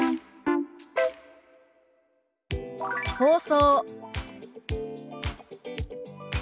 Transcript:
「放送」。